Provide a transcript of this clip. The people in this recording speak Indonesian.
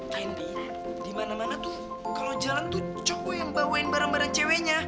candy di mana mana tuh kalau jalan tuh cowok yang bawain barang barang ceweknya